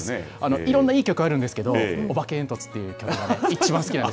いろんないい曲あるんですけど、おばけえんとつという曲がね、一番好きなんです。